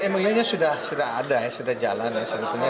mou nya sudah ada sudah jalan sebetulnya